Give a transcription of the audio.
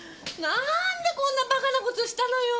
何でこんなバカな事したのよ？